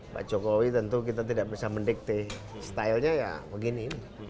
pak jokowi tentu kita tidak bisa mendikte stylenya ya begini